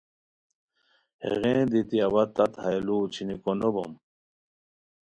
ہتیغین دیتی اوا تت ہیا لُو چھینیکو نوبوم